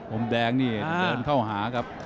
มุมแดงนี่เดินเข้าหาครับ